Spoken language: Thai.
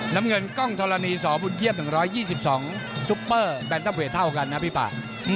น้ำเงินกล้องธรณีสบุญเยี่ยม๑๒๒ซุปเปอร์แบนเตอร์เวทเท่ากันนะพี่ป่า